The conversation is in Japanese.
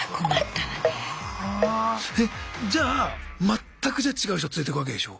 はあえっじゃあ全くじゃあ違う人連れてくわけでしょ？